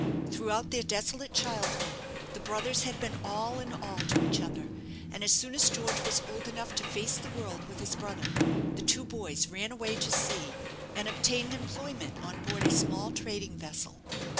Throughout their desolate childhood the brothers had been all in all to each other, and as soon as George was old enough to face the world with his brother, the two boys ran away to sea, and obtained employment on board a small trading vessel.